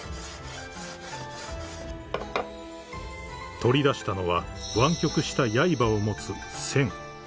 ［取り出したのは湾曲したやいばを持つ］